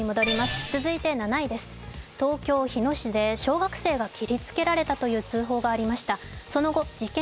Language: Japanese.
続いて７位です、東京・日野市で小学生が切りつけられたという通報がありました。